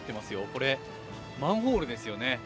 これマンホールですよね。